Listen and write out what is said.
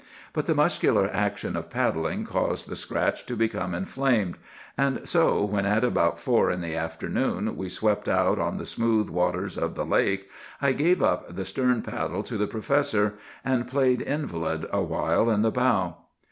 But the muscular action of paddling caused the scratch to become inflamed; and so, when at about four in the afternoon we swept out on the smooth waters of the lake, I gave up the stern paddle to the professor, and played invalid a while in the bow.